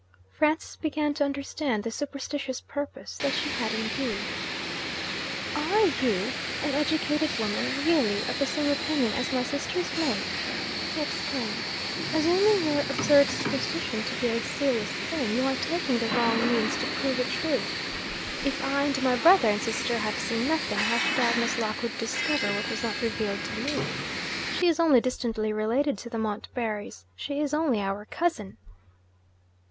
Francis began to understand the superstitious purpose that she had in view. 'Are you (an educated woman) really of the same opinion as my sister's maid!' he exclaimed. 'Assuming your absurd superstition to be a serious thing, you are taking the wrong means to prove it true. If I and my brother and sister have seen nothing, how should Agnes Lockwood discover what was not revealed to us? She is only distantly related to the Montbarrys she is only our cousin.'